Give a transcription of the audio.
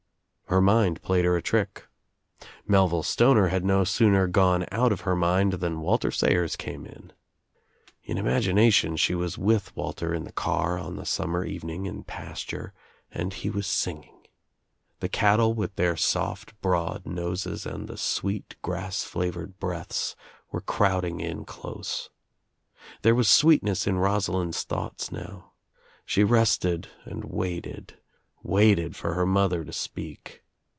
Her mind played her a trick. Melville Stoner had no sooner gone out of her mind than Walter Sayen came in. In imagination she was with Walter in the car on the summer evening in the pasture and he was singing. The cattle with their soft broad noses and the sweet grass flavored breaths were crowding m close. There was sweetness in Rosalind's thoughts now. She rested and waited, waited for her mother to speak.